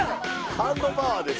ハンドパワーです。